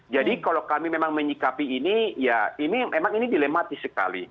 jadi kalau kami memang menyikapi ini ya ini memang dilematis sekali